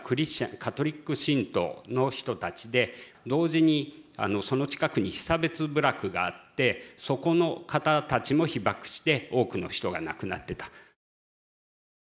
カトリック信徒の人たちで同時にその近くに被差別部落があってそこの方たちも被爆して多くの人が亡くなってた。